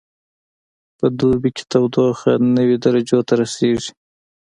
په دوبي کې تودوخه نوي درجو ته رسیږي